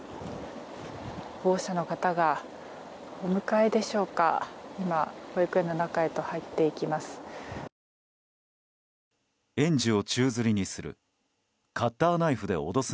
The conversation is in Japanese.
保護者の方が、お迎えでしょうか保育園の中へと入っていきます。